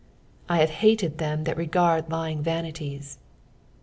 / hate hated tAem that regard lying tanitiet."